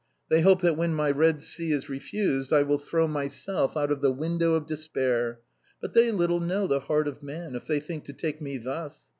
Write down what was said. They hope that when toy Eed Sea is refused, I will throw myself out of the window of despair. But they little know the heart of man, if they think to take me thus.